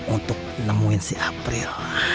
untuk nemuin si april